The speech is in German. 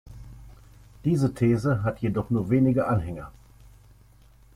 Diese These hat jedoch nur noch wenige Anhänger.